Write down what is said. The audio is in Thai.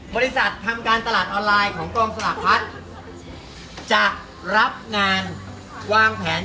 บริษัททำการตลาดออนไลน์ของกองสลากพัฒน์จะรับงานวางแผน